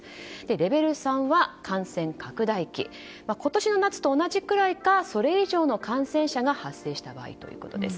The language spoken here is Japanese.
レベル３は感染拡大期今年の夏と同じくらいかそれ以上の感染者が発生した場合ということです。